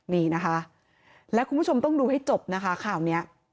นี่นะคะและคุณผู้ชมต้องดูให้จบนะคะข่าวนี้